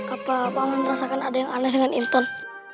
apa paman merasakan ada yang aneh dengan inton